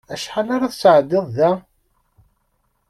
Acḥal ara tesεeddiḍ da?